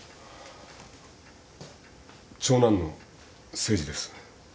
長男の誠治です。